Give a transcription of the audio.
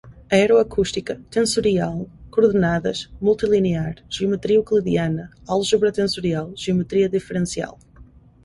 aeroacústica, tensorial, coordenadas, multilinear, geometria euclidiana, álgebra tensorial, geometria diferencial